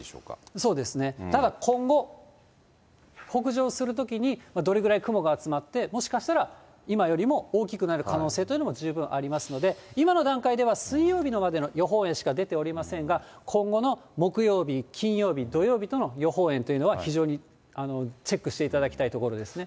そうですね、ただ、今後、北上するときにどれぐらい雲が集まって、もしかしたら今よりも大きくなる可能性というのも十分ありますので、今の段階では、水曜日までの予報円しか出ておりませんが、今後の木曜日、金曜日、土曜日の予報円というのは、非常に、チェックしていただきたいところですね。